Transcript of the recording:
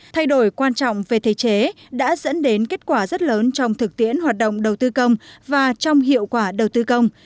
thay đổi quan trọng về thể chế đã dẫn đến kết quả rất lớn trong thực tiễn hoạt động đầu tư công và trong hiệu quả đầu tư công